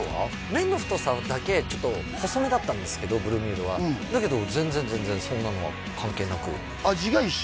麺の太さだけちょっと細めだったんですけどブルーミュールはだけど全然全然そんなのは関係なく味が一緒？